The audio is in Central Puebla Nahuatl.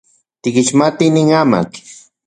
¿Tikixmati nin amatl?